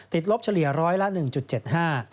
ติดลบเฉลี่ยร้อยละ๑๗๕